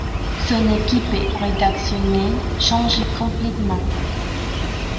Son équipe rédactionnelle change complètement.